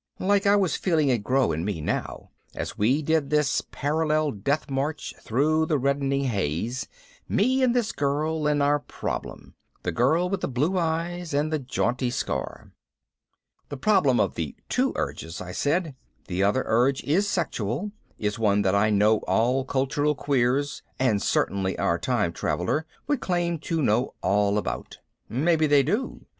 Like I was feeling it grow in me now as we did this parallel deathmarch through the reddening haze, me and this girl and our problem. This girl with the blue eyes and the jaunty scar. The problem of the two urges, I said. The other urge, the sexual, is one that I know all cultural queers (and certainly our time traveler) would claim to know all about. Maybe they do.